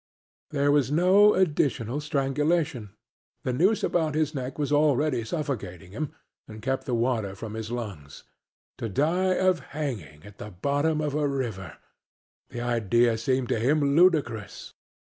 There was no additional strangulation; the noose about his neck was already suffocating him and kept the water from his lungs. To die of hanging at the bottom of a river! the idea seemed to him ludicrous.